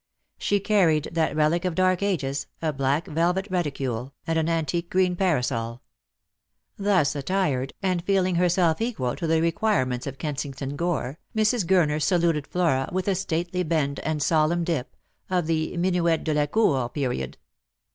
She carried that relic of dark ages, a black velvet reticule, and an antique green parasol. Thus attired, and feeling herself equal to the requirements of Kensington Gore, Mrs. Gurner saluted Flora with a stately bend and solemn dip, of the minuet de la cour period.